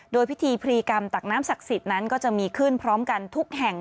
โดยพิธีพรีกรรมตักน้ำศักดิ์สิทธิ์นั้นก็จะมีขึ้นพร้อมกันทุกแห่ง